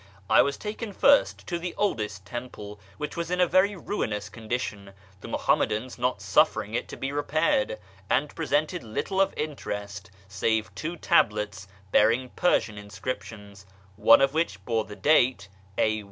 I was taken first to the oldest temple, which was in a very ruinous condition (the Muhammadans not suffering it to 1)0 repaired), and presented little of interest save two tablets bearing Persian inscriptions, one of which bore the date a.